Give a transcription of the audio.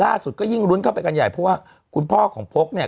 ยิ่งก็ยิ่งรุ้นเข้าไปกันใหญ่เพราะว่าคุณพ่อของพกเนี่ย